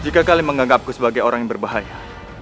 jika kalian menganggapku sebagai orang yang berbahaya